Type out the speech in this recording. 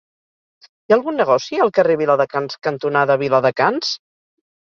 Hi ha algun negoci al carrer Viladecans cantonada Viladecans?